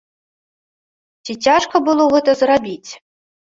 Ці цяжка было гэта зрабіць?